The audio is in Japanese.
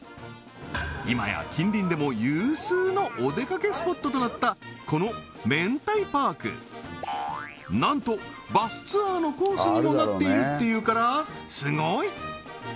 今や近隣でも有数のおでかけスポットとなったこのめんたいパークなんとバスツアーのコースにもなっているっていうからすごい！